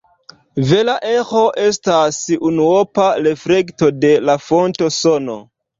Vera eĥo estas unuopa reflekto de la fonta sono.